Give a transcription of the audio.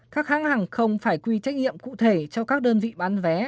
các hãng hàng không phải quy trách nhiệm cụ thể cho các đơn vị bán vé